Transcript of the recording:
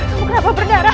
kamu kenapa berdarah